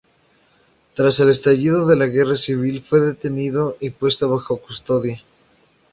Tras el estallido de la Guerra civil fue detenido y puesto bajo custodia.